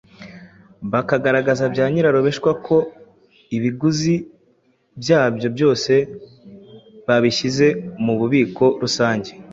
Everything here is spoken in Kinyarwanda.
bakagaragaza bya nyirarureshwa ko ibiguzi byabyo byose babishyize mu bubiko rusange